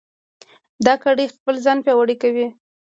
دا کړۍ خپله ځان پیاوړې کوي.